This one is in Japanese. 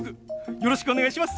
よろしくお願いします！